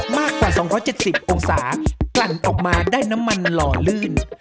มากกว่า๒๗๐องศากลั่นออกมาได้น้ำมันหล่อลื่น